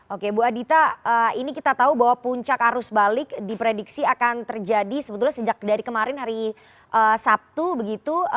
oke bu adita ini kita tahu bahwa puncak arus balik diprediksi akan terjadi sebetulnya sejak dari kemarin hari sabtu begitu